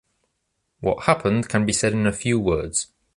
What happened can be said in a few words.